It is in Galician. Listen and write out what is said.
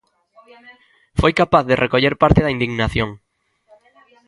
Foi capaz de recoller parte da 'indignación'.